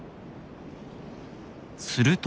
すると。